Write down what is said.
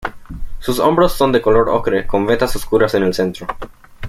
Sus hombros son de color ocre con vetas oscuras en el centro.